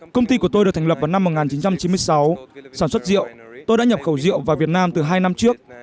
công ty của tôi được thành lập vào năm một nghìn chín trăm chín mươi sáu sản xuất rượu tôi đã nhập khẩu rượu vào việt nam từ hai năm trước